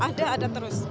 ada ada terus